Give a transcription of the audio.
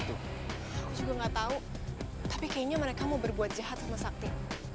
aku juga gak tahu tapi kayaknya mereka mau berbuat jahat sama sakti